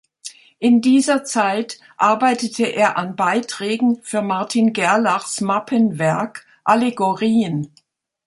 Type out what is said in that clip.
In dieser Zeit arbeitete er an Beiträgen für Martin Gerlachs Mappenwerk "Allegorien.